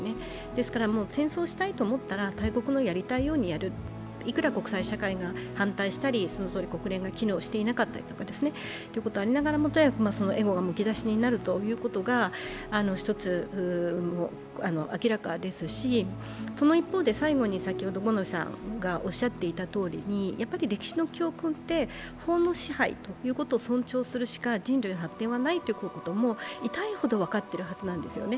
ですから戦争をしたいと思ったら大国のやりたいようにやる、いくら国際社会が反対したり国連が機能してないということがありながらも、とにかくエゴがむき出しになるということが、一つ、明らかですしその一方で、最後に五野井さんが最後におっしゃっていた歴史の教訓って法の支配ということを尊重するしか人類の発展はないということは痛いほど分かっているはずなんですね。